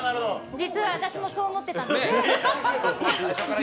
実は私も、そう思ってたんです。